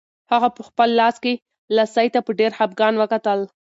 هغه په خپل لاس کې لسی ته په ډېر خپګان وکتل.